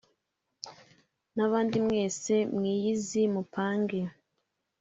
n’abandi mwese mwiyizi mupange